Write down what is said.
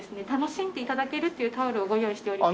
愉しんで頂けるっていうタオルをご用意しております。